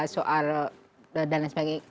soal dan lain sebagainya